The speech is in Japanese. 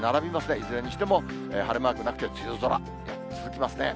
いずれにしても晴れマークなくて、梅雨空が続きますね。